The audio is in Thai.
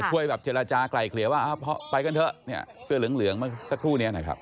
โดยแบบเจรจากลายเคลียร์ว่าไปกันเถอะเสื้อเหลืองมาสักครู่นี้หน่อยครับ